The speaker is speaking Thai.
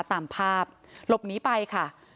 ตามภาพหลบหนีไปค่ะ